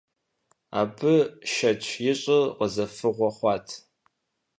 Абы шэч ишӏырт, къызэфыгъуэ хъуат.